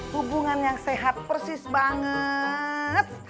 hubungan yang sehat persis banget